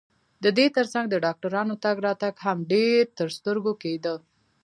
د دې ترڅنګ د ډاکټرانو تګ راتګ هم ډېر ترسترګو کېده.